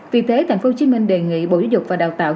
vì thế tp hcm đề nghị bộ giáo dục và đào tạo